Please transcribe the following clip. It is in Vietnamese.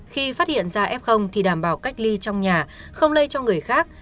khi phát hiện ra f thì đảm bảo cách ly trong nhà không lây cho người khác